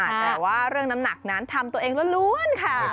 แต่ว่าเรื่องน้ำหนักนั้นทำตัวเองล้วนค่ะ